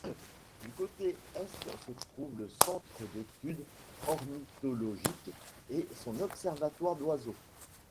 Du côté est se trouve le centre d'étude ornithologique et son observatoire d'oiseaux.